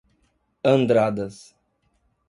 Andradas